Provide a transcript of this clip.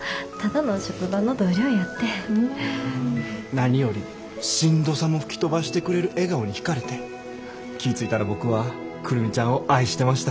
何よりしんどさも吹き飛ばしてくれる笑顔に引かれて気ぃ付いたら僕は久留美ちゃんを愛してました。